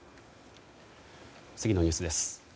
次のニュースです。